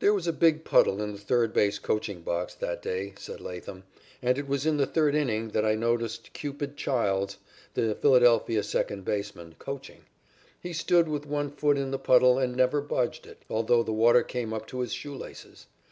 "There was a big puddle in the third base coaching box that day," said Latham. "And it was in the third inning that I noticed Cupid Childs, the Philadelphia second baseman, coaching. He stood with one foot in the puddle and never budged it, although the water came up to his shoe laces.